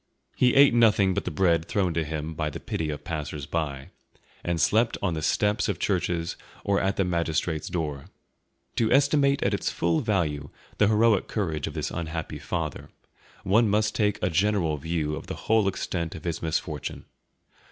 He ate nothing but the bread thrown to him by the pity of passers by, and slept on the steps of churches or at the magistrates' door. To estimate at its full value the heroic courage of this unhappy father, one must take a general view of the whole extent of his misfortune.